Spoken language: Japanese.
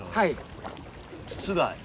筒が。